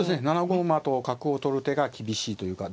７五馬と角を取る手が厳しいというか